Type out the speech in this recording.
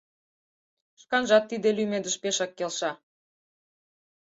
Шканжат тиде лӱмедыш пешак келша.